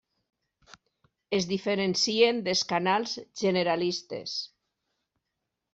Es diferencien dels canals generalistes.